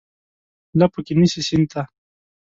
لپو کې نیسي سیند ته،